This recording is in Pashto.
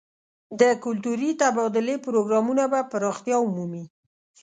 د کلتوري تبادلې پروګرامونه به پراختیا ومومي.